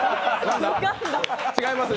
違います。